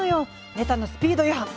ネタのスピード違反！